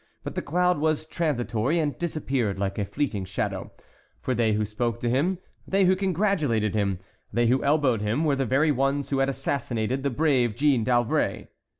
But the cloud was transitory, and disappeared like a fleeting shadow, for they who spoke to him, they who congratulated him, they who elbowed him, were the very ones who had assassinated the brave Jeanne d'Albret.